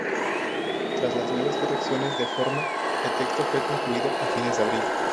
Tras las nuevas correcciones de forma, el texto fue concluido a fines de abril.